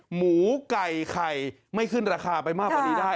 หมูไก่ไข่ไม่ขึ้นราคาไปมากกว่านี้ได้